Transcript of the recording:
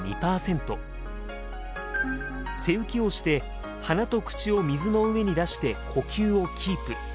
背浮きをして鼻と口を水の上に出して呼吸をキープ。